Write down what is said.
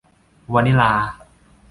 วานิลลา